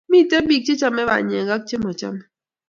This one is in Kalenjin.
Miten pik che chame nywaek ak che machame.